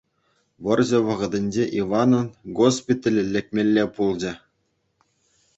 Вӑрҫӑ вӑхӑтӗнче Иванӑн госпитале лекмелле пулчӗ.